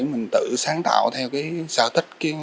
mình tự sáng tạo theo cái sở thích